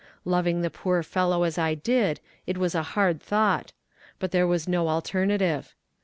Loving the poor fellow as I did, it was a hard thought; but there was no alternative.